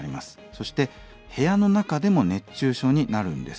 そして部屋の中でも熱中症になるんです。